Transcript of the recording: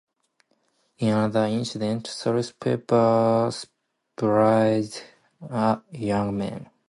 In another incident, Soles pepper sprayed a young man.